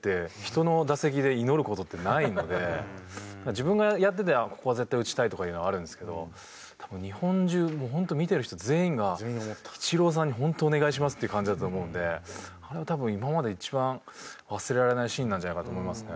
自分がやっててここは絶対打ちたいとかいうのはあるんですけど多分日本中本当見てる人全員がイチローさんに本当お願いしますっていう感じだったと思うんであれは多分今までで一番忘れられないシーンなんじゃないかと思いますね。